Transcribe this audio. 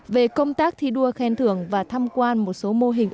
về công tác thi đua khen thưởng và tham quan một số mô hình